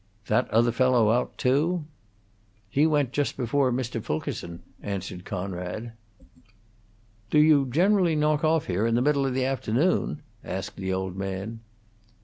"That other fellow out, too?" "He went just before Mr. Fulkerson," answered Conrad. "Do you generally knock off here in the middle of the afternoon?" asked the old man.